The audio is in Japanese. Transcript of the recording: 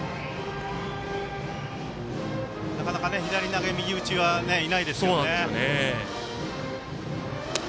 なかなか、左投げ右打ちはいないですからね。